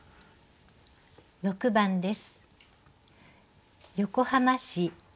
６番です。